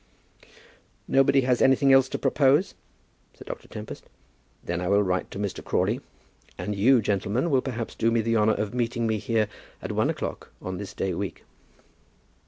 "Nobody has anything else to propose?" said Dr. Tempest. "Then I will write to Mr. Crawley, and you, gentlemen, will perhaps do me the honour of meeting me here at one o'clock on this day week."